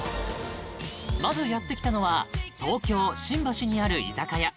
まずやってきたのは東京・新橋にある居酒屋